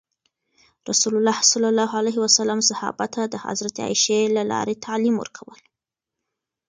رسول الله ﷺ صحابه ته د حضرت عایشې له لارې تعلیم ورکول.